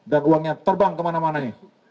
dan uangnya terbang kemana mana ini